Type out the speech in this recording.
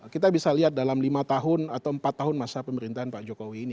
kita bisa lihat dalam lima tahun atau empat tahun masa pemerintahan pak jokowi ini